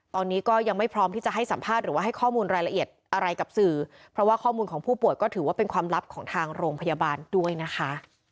ตอนนี้ก็ยังไม่พร้อมที่จะให้สัมภาษณ์หรือว่าให้ข้อมูลรายละเอียดอะไรกับสื่อเพราะว่าข้อมูลของผู้ป่วยก็ถือว่าเป็นความลับของทางโรงพยาบาลด้วยนะคะ